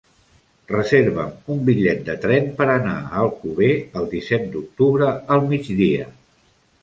Reserva'm un bitllet de tren per anar a Alcover el disset d'octubre al migdia.